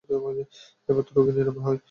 এতে রোগের নিরাময় হয়।